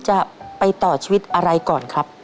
จะไปต่อชีวิตอะไรก่อนครับ